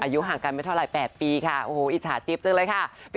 อายุห่างกันไม่เท่าไร๘ปีค่ะโอ้โหอิจฉาจิ๊บจังเลยค่ะ